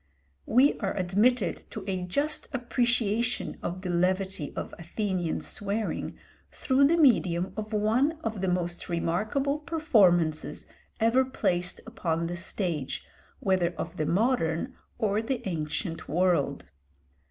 We are admitted to a just appreciation of the levity of Athenian swearing through the medium of one of the most remarkable performances ever placed upon the stage, whether of the modern or the ancient world.